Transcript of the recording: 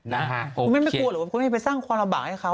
คุณแม่ไม่กลัวหรือว่าคุณแม่ไปสร้างความลำบากให้เขา